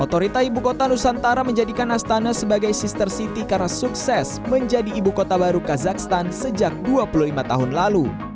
otorita ibu kota nusantara menjadikan astana sebagai sister city karena sukses menjadi ibu kota baru kazakhstan sejak dua puluh lima tahun lalu